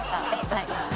はい。